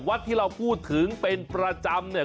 วัดที่เราพูดถึงเป็นประจำเนี่ย